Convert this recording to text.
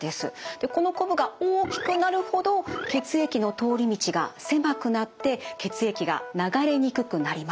でこのこぶが大きくなるほど血液の通り道が狭くなって血液が流れにくくなります。